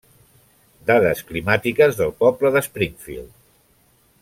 Dades climàtiques del poble de Springfield.